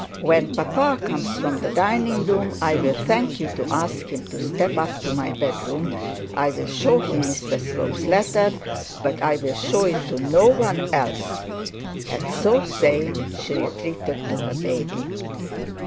'When papa comes from the dining room I will thank you to ask him to step up to my bed room. I will show him Mr Slope's letter, but I will show it to no one else.' And so saying she retreated to her baby.